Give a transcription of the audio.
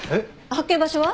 発見場所は？